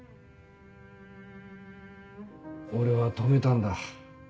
俺は止めたんだ。